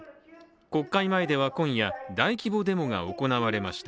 国会前では今夜大規模デモが行われました。